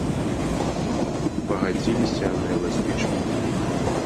Пагадзіліся на эластычны бінт.